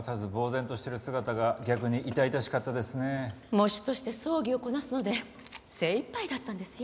喪主として葬儀をこなすので精いっぱいだったんですよ。